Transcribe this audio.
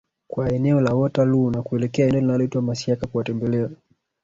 kwao eneo la Waterloo na kuelekea eneo linaloitwa Masiaka kuwatembelea